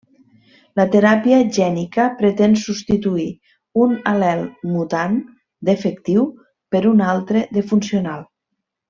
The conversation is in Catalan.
La teràpia gènica pretén substituir un al·lel mutant defectiu per un altre de funcional.